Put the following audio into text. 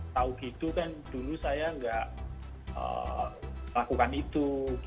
tahu gitu kan dulu saya nggak melakukan itu